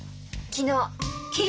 昨日！？